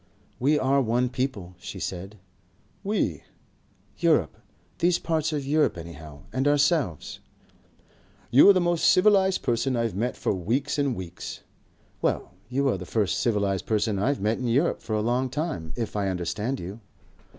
"We are one people," she said. "We?" "Europe. These parts of Europe anyhow. And ourselves." "You are the most civilized person I've met for weeks and weeks." "Well, you are the first civilized person I've met in Europe for a long time. If I understand you."